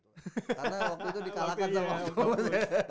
karena waktu itu di kalahkan sama oktavus